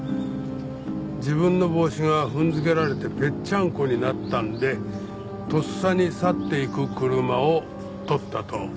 自分の帽子が踏んづけられてぺっちゃんこになったんでとっさに去っていく車を撮ったと。